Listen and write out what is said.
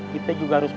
kita juga harus